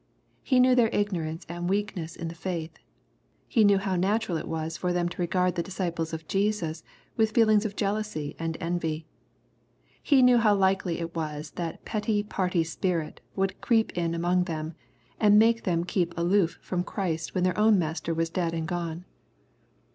He knew their ignorance and weakness in the faith. He knew how natural it was for them to regard the disciples of Jesus with feelings of jealousy and envy. He knew how likely it was that petty party spirit would creep in among them, and make them keep aloof from Christ when their own master was dead and gone.